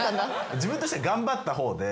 自分としては頑張った方でこれが。